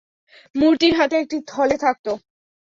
মূর্তির হাতে একটি থলে থাকত।